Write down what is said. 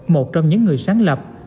một trong những người sáng lập